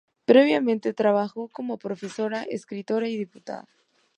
Previamente, trabajó como profesora, escritora y diputada.